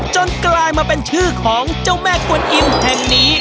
กลายมาเป็นชื่อของเจ้าแม่กวนอิมแห่งนี้